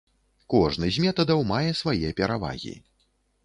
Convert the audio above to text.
Кожны з метадаў мае свае перавагі.